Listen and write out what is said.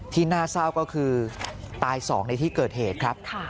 ที่น่าเศร้าก็คือตายสองในที่เกิดเหตุครับ